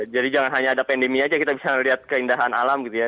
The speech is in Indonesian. jadi jangan hanya ada pandemi aja kita bisa melihat keindahan alam gitu ya